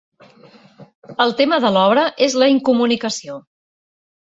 El tema de l'obra és la incomunicació.